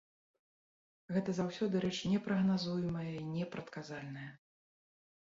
Гэта заўсёды рэч непрагназуемая і непрадказальная.